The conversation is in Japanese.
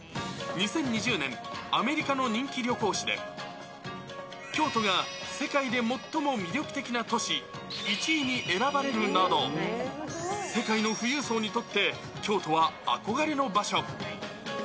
２０２０年、アメリカの人気旅行誌で、京都が、世界で最も魅力的な都市、１位に選ばれるなど、世界の富裕層にとって、京都は憧れの場所。